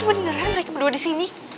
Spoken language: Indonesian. ih bukan beneran mereka berdua disini